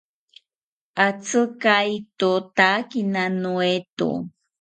Atzikaitotakina noeto